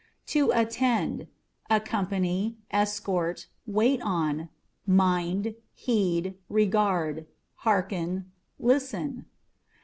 To Attend â€" accompany, escort, wait on ; mind, heed, regard ; hearken, listen.